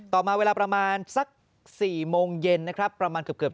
ต่อมาเวลาประมาณสัก๔โมงเย็นนะครับประมาณเกือบ